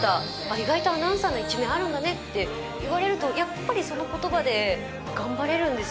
「意外とアナウンサーの一面あるんだね」って言われるとやっぱりその言葉で頑張れるんですよ。